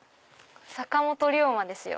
坂本龍馬ですよ。